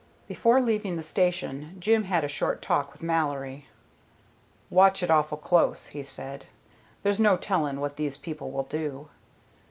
Before leaving the station Jim had a short talk with Mallory. "Watch it awful close," he said. "There's no telling what these people will do."